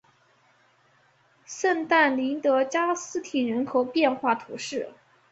圣但尼德加斯廷人口变化图示